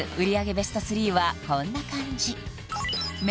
ベスト３はこんな感じ目